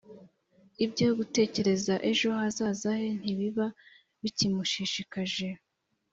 ibyo gutekereza ejo hazaza he ntibiba bikimushishikaje